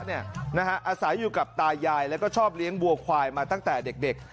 อาศัยอยู่กับตายายแล้วก็ชอบเลี้ยงบัวควายมาตั้งแต่เด็ก